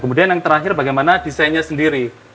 kemudian yang terakhir bagaimana desainnya sendiri